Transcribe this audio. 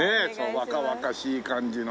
若々しい感じのね。